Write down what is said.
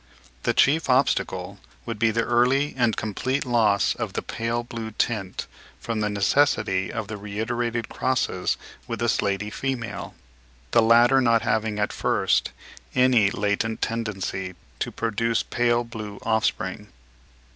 The chief obstacle would be the early and complete loss of the pale blue tint, from the necessity of reiterated crosses with the slaty female, the latter not having at first any LATENT tendency to produce pale blue offspring.